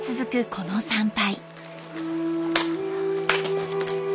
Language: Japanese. この参拝。